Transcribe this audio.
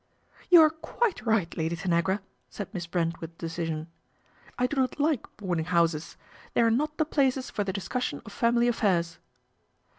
You are quite right, Lady Tanagra," said iss Brent with decision. " I do not like board g houses. They are not the places for the dis ssion of family affairs."